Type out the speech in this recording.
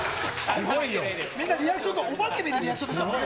みんなリアクションが、お化け見たリアクションだったもんね。